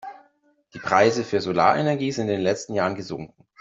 Die Preise für Solarenergie sind in den letzten Jahren gesunken.